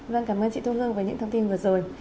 vâng cảm ơn chị thương dương và những thông tin vừa rồi